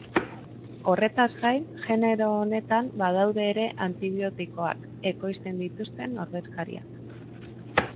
Horretaz gain, genero honetan badaude ere antibiotikoak ekoizten dituzten ordezkariak.